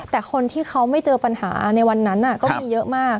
แต่คนที่เขาไม่เจอปัญหาในวันนั้นก็มีเยอะมาก